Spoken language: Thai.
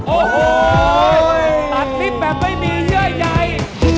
โอ้โหตัดลิฟต์แบบไม่มีเยื่อใย